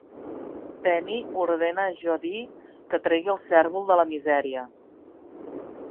Penny ordena a Jody que tregui el cérvol de la misèria.